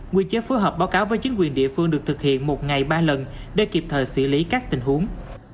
quy chế phối hợp báo cáo với chính quyền địa phương được thực hiện một ngày ba lần để kịp thời xử lý các tình huống